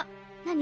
何？